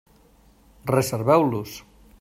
Reserveu-los.